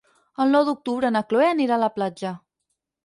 El nou d'octubre na Cloè anirà a la platja.